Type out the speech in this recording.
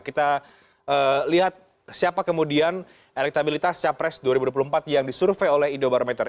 kita lihat siapa kemudian elektabilitas capres dua ribu dua puluh empat yang disurvey oleh indobarometer